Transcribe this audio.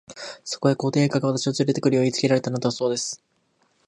そこへ、皇帝陛下が、私をつれて来るよう言いつけられたのだそうです。